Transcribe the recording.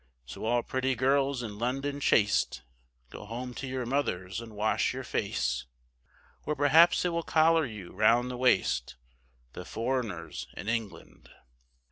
So all pretty girls in London chaste Go home to your mothers and wash your face, Or perhaps they will collar you round the waist, The foreigners in England.